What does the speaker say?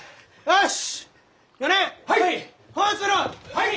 はい！